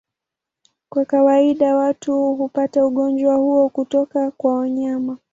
Kwa kawaida watu hupata ugonjwa huo kutoka kwa wanyama.